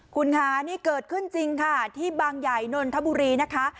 คุณค่ะนี่เกิดขึ้นจริงค่ะที่บางใหญ่นนทบุรีนะคะ